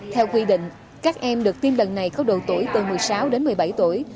theo quy định các em được tiêm lần này có độ tuổi từ một mươi sáu đến một mươi bảy tuổi